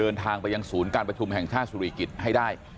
เดินทางไปยังศูนย์การประชุมแห่งชาติสุริกิจให้ได้